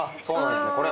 そうなんですね。